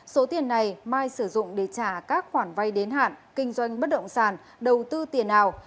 số tiền này mai sử dụng để trả các khoản vay đến hạn kinh doanh bất động sản đầu tư tiền ảo